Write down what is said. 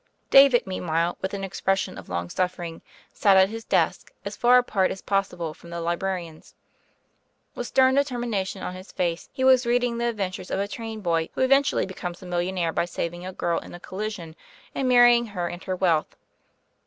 David, meanwhile, with an expression of long suffering, sat at his desk, as far apart as possible from the librarians. With stern determination on his face, he was reading the adventures of a train boy who event ually becomes a millionaire by saving a girl in a collision and marrying her and her wealth.